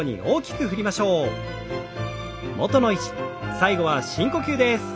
最後は深呼吸です。